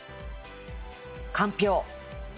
かんぴょう。